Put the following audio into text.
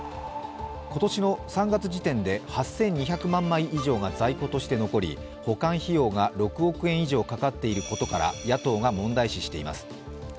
今年の３月時点で８２００万枚以上が在庫として残り保管費用が６億円以上かかっていることから野党が問題視しています。